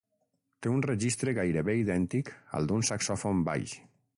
Té un registre gairebé idèntic al d'un saxòfon baix.